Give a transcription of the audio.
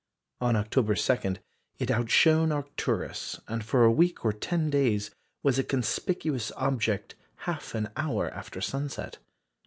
On October 2, it outshone Arcturus, and for a week or ten days was a conspicuous object half an hour after sunset.